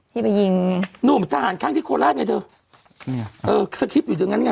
ที่ไปยิงนั่นมันทหารข้างที่โคลาสไงเถอะเออสะทิบอยู่ถึงอันนี้ไง